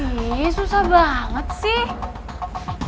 ini hostburike yang nyuruh nyuruh